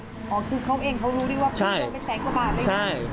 อ๋อคือเขาเองเขารู้ด้วยว่าเค้าได้ไปแสนกว่าบาทเลย